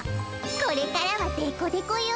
これからはデコデコよ。